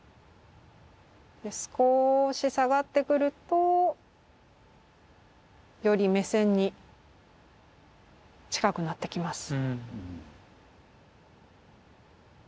ですこし下がってくるとより目線に近くなってきます。